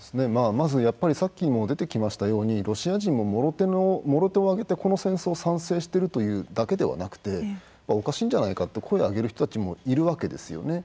まず、やっぱりさっきも出てきましたようにロシア人が、もろ手を挙げてこの戦争に賛成しているというだけではなくておかしいんじゃないかと声を上げる人たちもいるわけです。